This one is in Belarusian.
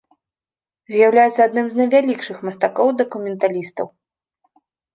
З'яўляецца адным з найвялікшых мастакоў-дакументалістаў.